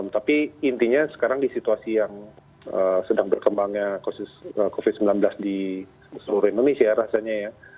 tapi intinya sekarang di situasi yang sedang berkembangnya covid sembilan belas di seluruh indonesia rasanya ya